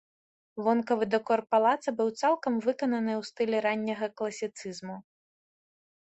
Вонкавы дэкор палаца быў цалкам выкананы ў стылі ранняга класіцызму.